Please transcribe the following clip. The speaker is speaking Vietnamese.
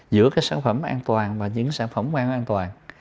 giữa cái sản phẩm an toàn và những sản phẩm quen an toàn